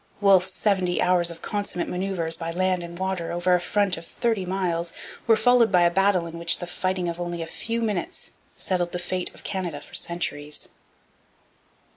Wolfe's seventy hours of consummate manoeuvres, by land and water, over a front of thirty miles, were followed by a battle in which the fighting of only a few minutes settled the fate of Canada for centuries.